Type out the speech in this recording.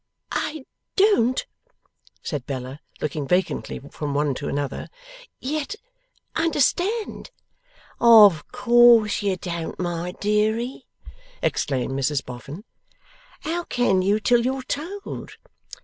'I don't,' said Bella, looking vacantly from one to another, 'yet understand ' 'Of course you don't, my deary,' exclaimed Mrs Boffin. 'How can you till you're told!